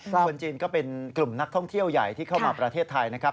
คนจีนก็เป็นกลุ่มนักท่องเที่ยวใหญ่ที่เข้ามาประเทศไทยนะครับ